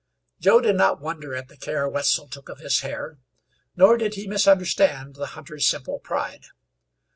Joe did not wonder at the care Wetzel took of his hair, nor did he misunderstand the hunter's simple pride.